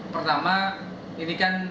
pertama ini kan